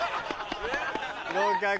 合格。